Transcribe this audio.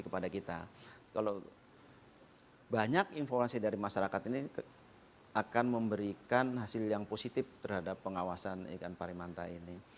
kalau banyak informasi dari masyarakat ini akan memberikan hasil yang positif terhadap pengawasan ikan parimanta ini